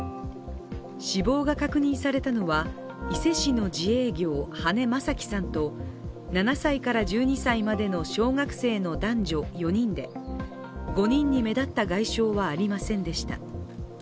死亡が確認されたのは伊勢市の自営業、羽根正樹さんと７歳から１２歳までの小学生の男女４人で５人に目立った外傷はありませんでした。